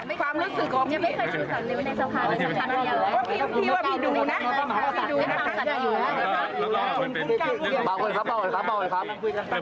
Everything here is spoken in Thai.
บอกเลยครับบอกเลยครับ